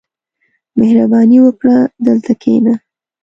• مهرباني وکړه، دلته کښېنه.